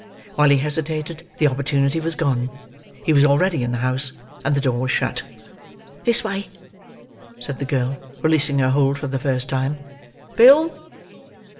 While he hesitated, the opportunity was gone; he was already in the house, and the door was shut. "This way," said the girl, releasing her hold for the first time. "Bill!"